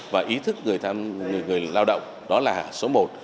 và ý thức người lao động đó là số một